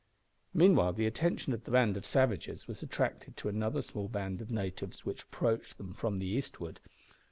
Meanwhile the attention of the band of savages was attracted to another small band of natives which approached them from the eastward.